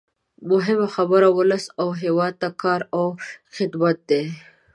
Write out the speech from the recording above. مهمه خبره ولس او هېواد ته کار او خدمت دی.